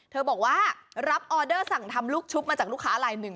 บอกว่ารับออเดอร์สั่งทำลูกชุบมาจากลูกค้าลายหนึ่ง